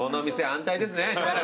安泰ですね。